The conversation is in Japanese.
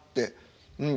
うん。